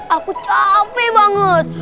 aku capek banget